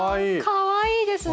かわいいですね。